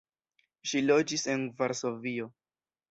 Ŝi loĝis en Varsovio.